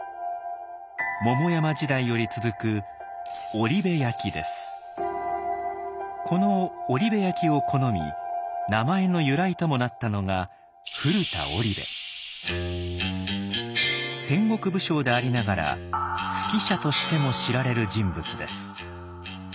桃山時代より続くこの織部焼を好み名前の由来ともなったのが戦国武将でありながら「数寄者」としても知られる人物です。